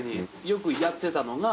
よくやってたのが。